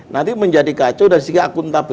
nanti menjadi kacau dari segi akuntabel